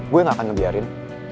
gue gak akan ngebiarin